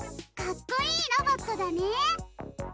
かっこいいロボットだね。